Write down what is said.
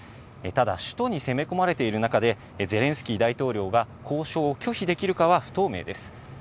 ただ、首都に攻め込まれている中で、ゼレンスキー大統領が交渉を拒否できるかは不透明です。